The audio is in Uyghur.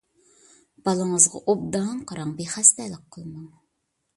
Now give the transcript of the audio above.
بالىڭىزغا ئوبدان قاراڭ، بىخەستەلىك قىلماڭ.